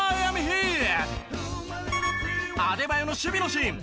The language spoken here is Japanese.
アデバヨの守備のシーン。